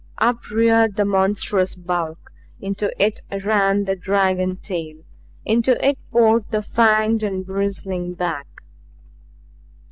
Up reared the monstrous bulk. Into it ran the dragon tail. Into it poured the fanged and bristling back.